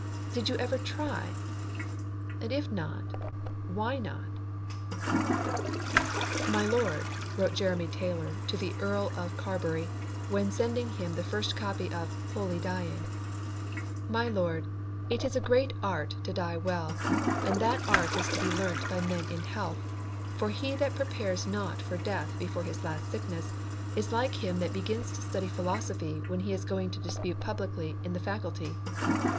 Did you ever try? And if not, why not? "My lord," wrote Jeremy Taylor to the Earl of Carbery, when sending him the first copy of the Holy Dying, "My lord, it is a great art to die well, and that art is to be learnt by men in health; for he that prepares not for death before his last sickness is like him that begins to study philosophy when he is going to dispute publicly in the faculty.